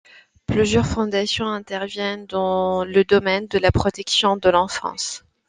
Plusieurs fondation interviennent dans le domaine de la protection de l’enfance.